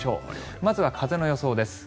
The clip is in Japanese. まずは風の予想です。